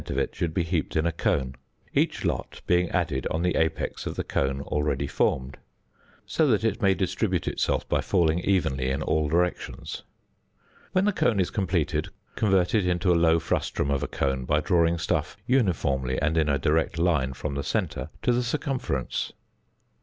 of it should be heaped in a cone; each lot being added on the apex of the cone already formed, so that it may distribute itself by falling evenly in all directions. When the cone is completed, convert it into a low frustrum of a cone by drawing stuff uniformly and in a direct line from the centre to the circumference.